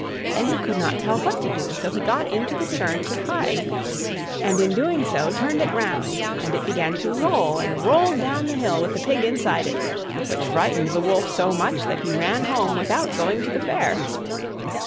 Then he could not tell what to do. So he got into the churn to hide, and in doing so turned it round, and it began to roll, and rolled down the hill with the Pig inside it, which frightened the Wolf so much that he ran home without going to the Fair.